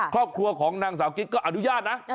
ครอบครัวของนางสาวกิ๊กก็อนุญาตนะ